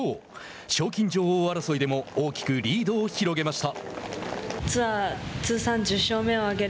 賞金女王争いでも大きくリードを広げました。